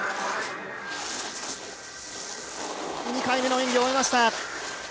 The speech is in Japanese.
２回目の演技を終えました。